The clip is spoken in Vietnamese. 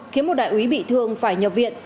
khiến một đại úy bị thương phải nhập viện